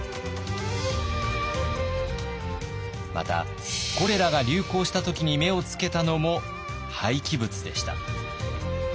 またコレラが流行した時に目をつけたのも廃棄物でした。